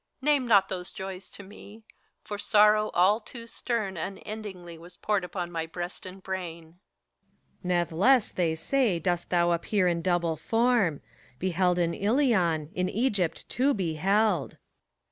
Name not those joys to me I for sorrow all too stern Unendingly was poured upon my breast and brain. PHORKYAS. Nathless, they say, dost thou appear in double form; Beheld in Ilion, — ^in Egypt, too, beheld.